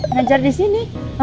ngejar di sini ya